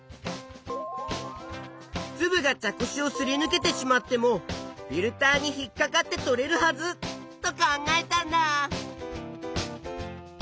つぶが茶こしをすりぬけてしまってもフィルターにひっかかって取れるはずと考えたんだ。